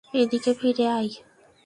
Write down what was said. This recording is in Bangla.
এদিকে ফিরে আয়!